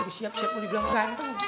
habis siap siap mau dibilang ganteng